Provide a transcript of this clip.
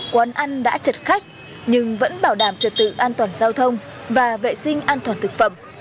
quán ăn đã chật khách nhưng vẫn bảo đảm trật tự an toàn giao thông và vệ sinh an toàn thực phẩm